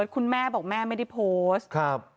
คุณแม่บอกแม่ไม่ได้โพสต์